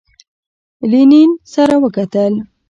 لینین سره وکتل.